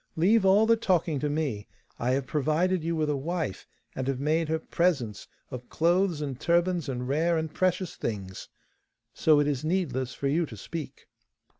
Leave all the talking to me. I have provided you with a wife, and have made her presents of clothes and turbans and rare and precious things, so it is needless for you to speak.